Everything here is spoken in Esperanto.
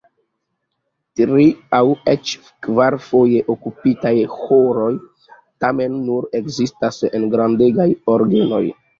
Tri- aŭ eĉ kvarfoje okupitaj ĥoroj tamen nur ekzistas en grandegaj orgenoj.